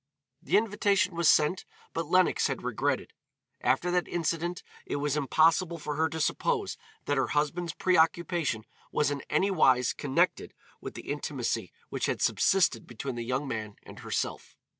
The invitation was sent, but Lenox had regretted. After that incident it was impossible for her to suppose that her husband's preoccupation was in anywise connected with the intimacy which had subsisted between the young man and herself.